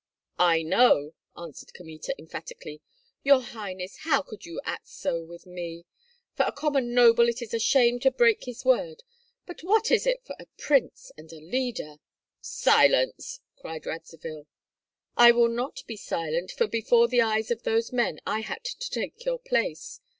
"I know!" answered Kmita, emphatically. "Your highness, how could you act so with me? For a common noble it is a shame to break his word, but what is it for a prince and a leader?" "Silence!" cried Radzivill. "I will not be silent, for before the eyes of those men I had to take your place.